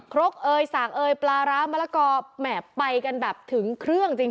ครกเอยสั่งเอ่ยปลาร้ามะละกอแหมไปกันแบบถึงเครื่องจริง